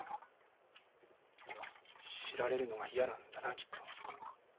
知られるのが嫌なんだなきっと。